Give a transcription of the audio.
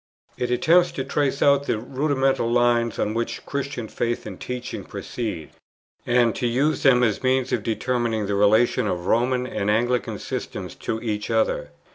It attempts to trace out the rudimental lines on which Christian faith and teaching proceed, and to use them as means of determining the relation of the Roman and Anglican systems to each other.